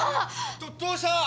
どっどうした！？